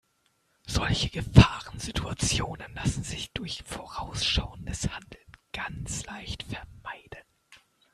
Solche Gefahrensituationen lassen sich durch vorausschauendes Handeln ganz leicht vermeiden.